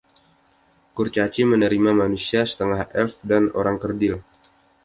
Kurcaci menerima manusia, setengah elf dan orang kerdil.